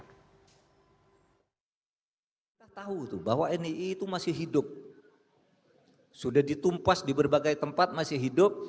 kita tahu bahwa nii itu masih hidup sudah ditumpas di berbagai tempat masih hidup